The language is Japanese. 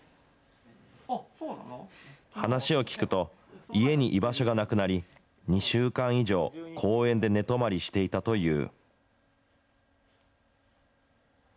話を聞くと、家に居場所がなくなり、２週間以上、公園で寝泊まりしていたという。